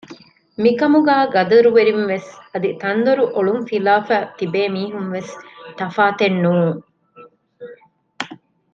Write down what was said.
މިކަމުގައި ގަދަރުވެރިން ވެސް އަދި ތަންދޮރު އޮޅުން ފިލާފައި ތިބޭ މީހުން ވެސް ތަފާތެއް ނޫން